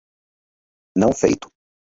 Não feito